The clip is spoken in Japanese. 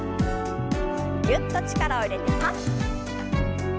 ぎゅっと力を入れてパッ。